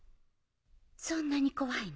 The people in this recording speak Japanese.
そんなに怖いの？